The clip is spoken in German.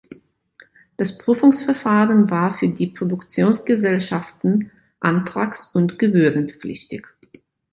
Das Prüfungsverfahren war für die Produktionsgesellschaften antrags- und gebührenpflichtig.